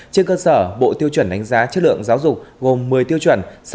trên cơ sở bộ tiêu chuẩn đánh giá chất lượng giáo dục gồm một mươi tiêu chuẩn